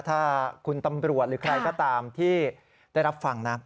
ถ้าคุณตำรวจหรือใครก็ตามที่ได้รับฟังนะ